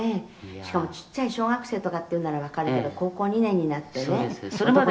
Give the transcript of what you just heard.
「しかもちっちゃい小学生とかっていうならわかるけど高校２年になってね男の子が」